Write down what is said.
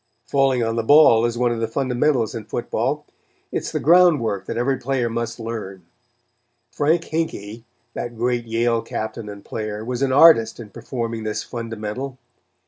Falling on the ball is one of the fundamentals in football. It is the ground work that every player must learn. Frank Hinkey, that great Yale Captain and player, was an artist in performing this fundamental.